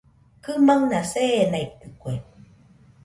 Kɨmaɨna seenaitɨkue